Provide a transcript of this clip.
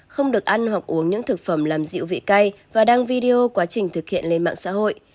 không được ăn hoặc uống những thực phẩm làm dịu vị cay và đăng video quá trình thực hiện lên mạng xã hội